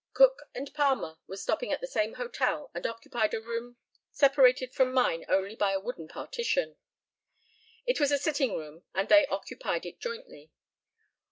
Cook and Palmer were stopping at the same hotel, and occupied a room separated from mine only by a wooden partition. It was a sitting room, and they occupied it jointly.